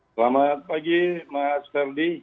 selamat pagi mas ferdi